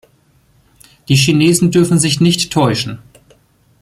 Die Chinesen dürfen sich nicht täuschen.